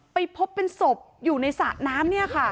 ไปพบเป็นศพอยู่ในศาตร์น้ำเนี้ยค่ะ